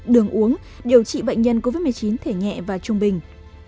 đường uống điều trị bệnh nhân covid một mươi chín thể nhẹ và trung bình